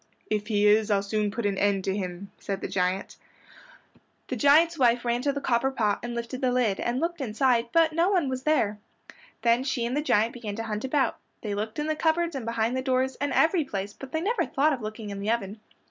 "If he is, I'll soon put an end to him," said the giant. The giant's wife ran to the copper pot and lifted the lid, and looked inside it, but no one was there. Then she and the giant began to hunt about. They looked in the cupboards and behind the doors, and every place, but they never thought of looking in the oven.